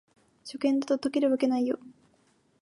初見だと解けるわけないよ